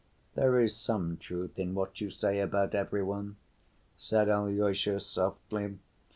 "There is some truth in what you say about every one," said Alyosha softly.